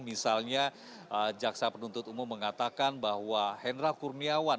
misalnya jaksa penuntut umum mengatakan bahwa hendra kurniawan